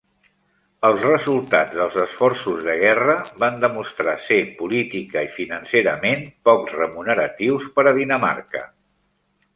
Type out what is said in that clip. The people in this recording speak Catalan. Els resultats dels esforços de guerra van demostrar ser política i financerament poc remuneratius per a Dinamarca.